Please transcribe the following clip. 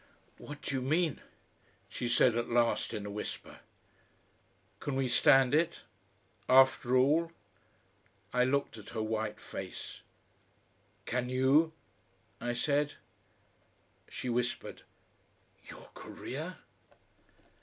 "What do you mean?" she said at last in a whisper. "Can we stand it? After all?" I looked at her white face. "Can you?" I said. She whispered. "Your career?"